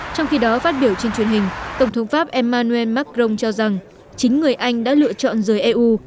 trong khi đó phát biểu trên truyền hình tổng thống pháp emmanuel macron cho rằng chính người anh đã lựa chọn rời eu